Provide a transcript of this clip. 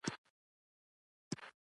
ما اطمنان ورکړ.